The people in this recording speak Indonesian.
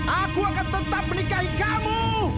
aku akan tetap menikahi kamu